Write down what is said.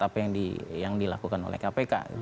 apa yang dilakukan oleh kpk